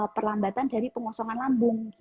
perlambatan dari pengosongan lambung